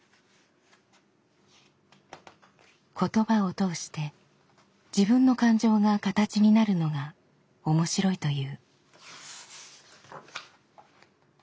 言葉を通して自分の感情が形になるのが面白いという。